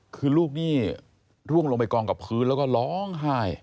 คือลูกนี่ร่วงลงไปกองกับพื้นแล้วก็ร้องไห้